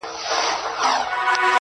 چا ویله چي ګوربت دي زموږ پاچا وي!.